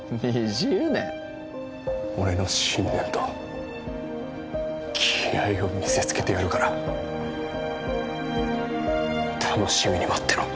俺の信念と気合を見せつけてやるから楽しみに待ってろ。